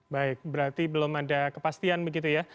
baik berarti belum ada kepastian begitu ya